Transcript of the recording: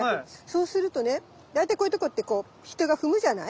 そうするとね大体こういうとこってこう人が踏むじゃない？